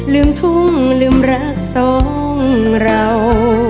ลืมทุ่งลืมรักสองเรา